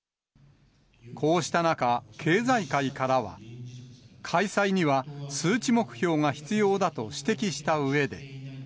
こうした中、経済界からは、開催には数値目標が必要だと指摘したうえで。